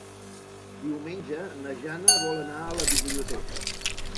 Diumenge na Jana vol anar a la biblioteca.